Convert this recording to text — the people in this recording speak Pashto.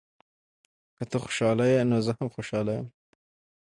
که ته خوشحاله یې، نو زه هم خوشحاله یم.